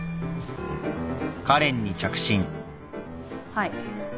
はい。